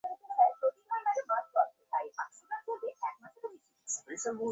কুমুদিনী তখনই মাটি থেকে উঠে দাঁড়িয়ে বললে, হ্যাঁ, আমার দাদা আমার গুরু।